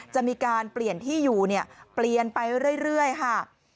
จะมีการเปลี่ยนที่อยู่เปลี่ยนไปเรื่อยค่ะ